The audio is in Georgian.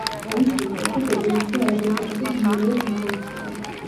ამის შემდეგ კი, დედამისი ავადმყოფობით მალევე გარდაიცვალა.